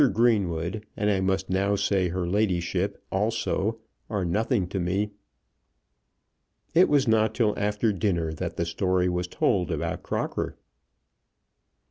Greenwood, and I must now say her ladyship also, are nothing to me." It was not till after dinner that the story was told about Crocker.